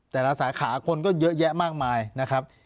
แต่ละสาขาคนก็เยอะแยะมากมายนะครับ